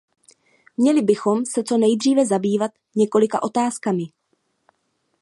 Měli bychom se co nejdříve zabývat několika otázkami.